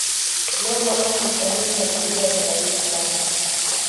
blob hawezi kustahimili mazingira yenye baridi sana